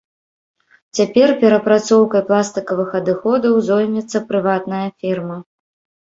Цяпер перапрацоўкай пластыкавых адыходаў зоймецца прыватная фірма.